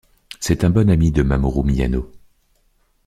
C'est un bon ami de Mamoru Miyano.